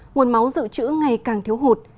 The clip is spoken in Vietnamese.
nguồn máu dự trữ ngày càng thiếu hụt